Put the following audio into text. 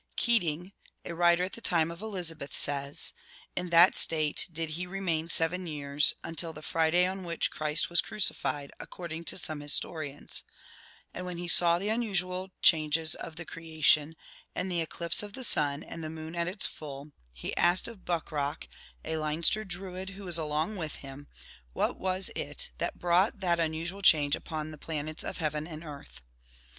Keating, a writer of the time of Elizabeth, says, * In that state did he remain seven years, until the Friday on which Christ was crucified, according to some historians; and when he saw the unusual changes of the creation and the eclipse of the sun and the moon at its full, he asked of 102 Bucrach, a Leinster Druid, who was along with him, what was it that brought that unusual change upon the planets of Heaven and Earth.